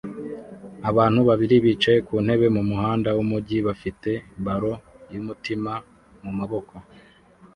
Abantu babiri bicaye ku ntebe mumuhanda wumujyi bafite ballon yumutima mumaboko